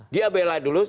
dia bela dulu